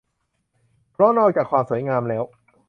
เพราะนอกจากความสวยงามแล้ว